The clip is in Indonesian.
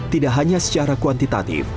tidak hanya secara kuantitatif